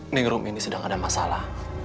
ningrum ini sedang ada masalah